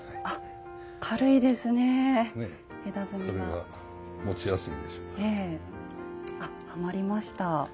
あはまりました。